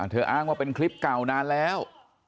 อ้างว่าเป็นคลิปเก่านานแล้ว